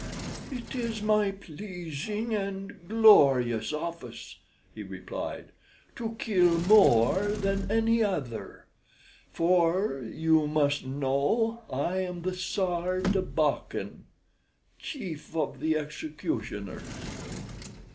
"It is my pleasing and glorious office," he replied, "to kill more than any other; for, you must know, I am the Sar Tabakin" (chief of the executioners).